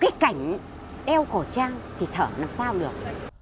phải chịu cái cảnh đeo khẩu trang thì thở làm sao được